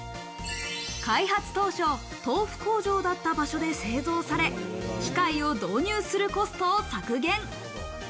開発当初、豆腐工場だった場所で製造され、機械を導入するコストを削減。